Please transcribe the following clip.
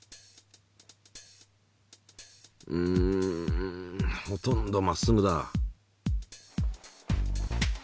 うんほとんどまっすぐだ。